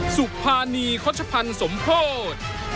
สุภานีข้อชะพันธ์สมโพธิ์